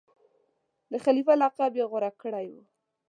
د خلیفه لقب یې غوره کړی وو.